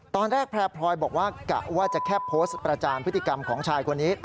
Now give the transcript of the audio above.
แพร่พลอยบอกว่ากะว่าจะแค่โพสต์ประจานพฤติกรรมของชายคนนี้